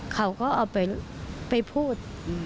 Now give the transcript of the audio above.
เขาก็เอาไปพูด